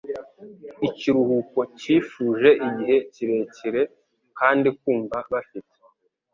ikiruhuko cyifuje igihe kirekire, kandi kumva bafite